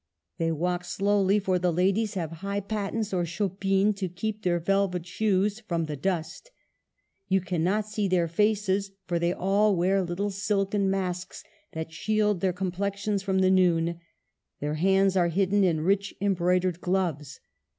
They walk slowly, for the ladies have high pat tens or choppines to keep their velvet shoes from the dust ; you cannot see their faces, for they all wear little silken masks to shield their complex ions from the noon ; their hands are hidden in rich embroidered gloves.